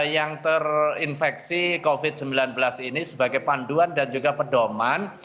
yang terinfeksi covid sembilan belas ini sebagai panduan dan juga pedoman